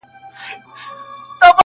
چوروندک ځالګۍ نه سوه پرېښودلای؛